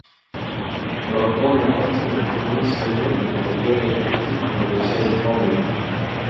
Trabajó en Advanced Electronics Center de la General Electric en la Universidad de Cornell.